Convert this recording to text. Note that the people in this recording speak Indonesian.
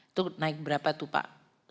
itu naik berapa tuh pak